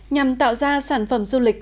nhằm tạo ra sản phẩm du lịch